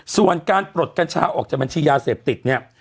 ส่วนการปลดกัญชาออกจากบัญชียาเสพติดเนี่ย